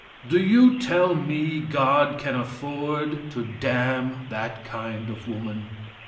Do you tell me God can afford to damn that kind of a woman?